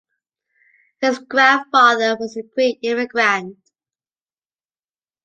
His grandfather was a Greek immigrant.